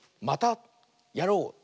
「またやろう！」。